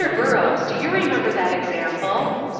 Burrows, do you remember that example?'